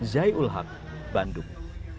zai ulhan bandung